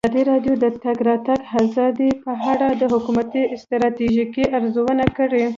ازادي راډیو د د تګ راتګ ازادي په اړه د حکومتي ستراتیژۍ ارزونه کړې.